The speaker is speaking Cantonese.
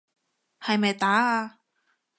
係咪打啊？